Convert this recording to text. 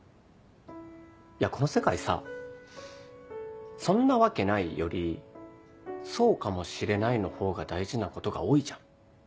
いやこの世界さ「そんなわけない」より「そうかもしれない」の方が大事なことが多いじゃん。